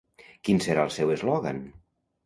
Quin serà el seu eslògan?